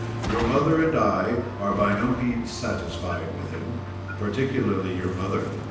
Your mother and I are by no means satisfied with him, particularly your mother.